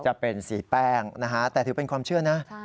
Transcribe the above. จะเป็นสีแป้งนะฮะแต่ถือเป็นความเชื่อนะ